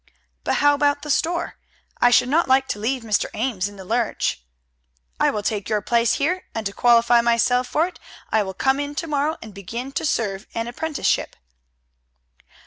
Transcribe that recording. "But how about the store? I should not like to leave Mr. Ames in the lurch." "I will take your place here, and to qualify myself for it I will come in to morrow, and begin to serve an apprenticeship."